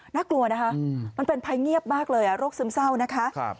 น่ากลัวนะคะมันเป็นภัยเงียบมากเลยโรคซึมเศร้านะคะ